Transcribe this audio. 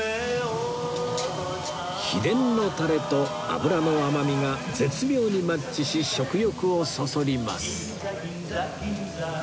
秘伝のタレと脂の甘みが絶妙にマッチし食欲をそそります